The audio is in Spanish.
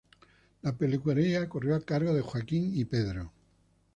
La peluquería corrió a cargo de Joaquín y Pedro.